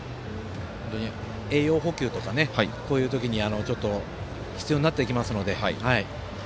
栄養補給とかこういう時に必要になってきますので。